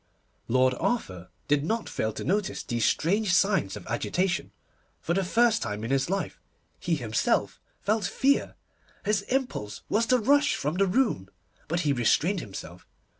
Lord Arthur did not fail to notice these strange signs of agitation, and, for the first time in his life, he himself felt fear. His impulse was to rush from the room, but he restrained himself.